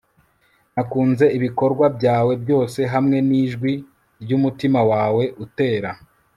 nakunze ibikorwa byawe byose, hamwe nijwi ryumutima wawe utera